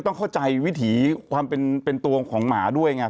ต้องเข้าใจวิถีความเป็นตัวของหมาด้วยไง